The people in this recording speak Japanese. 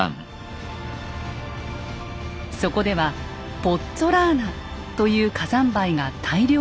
そこでは「ポッツォラーナ」という火山灰が大量に産出します。